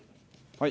はい。